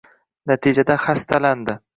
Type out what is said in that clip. Natijada xastalandi